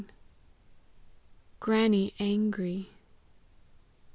GRANNY ANGRY.